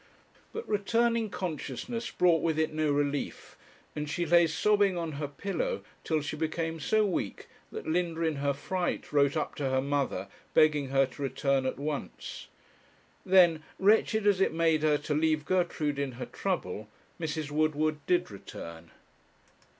But returning consciousness brought with it no relief, and she lay sobbing on her pillow, till she became so weak, that Linda in her fright wrote up to her mother begging her to return at once. Then, wretched as it made her to leave Gertrude in her trouble, Mrs. Woodward did return.